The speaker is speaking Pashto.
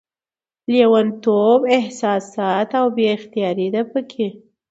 لېونتوب، احساسات او بې اختياري ده پکې